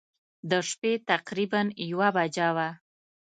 د شپې تقریباً یوه بجه وه.